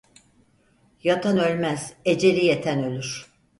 Yatan ölmez, eceli yeten ölür.